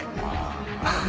ああ。